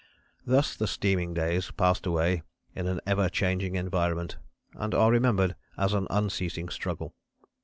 "Thus the steaming days passed away in an ever changing environment and are remembered as an unceasing struggle.